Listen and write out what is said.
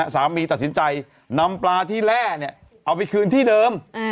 สามีตัดสินใจนำปลาที่แร่เอาไปคืนที่เดิม